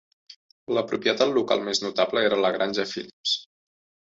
La propietat local més notable era la granja Phillips.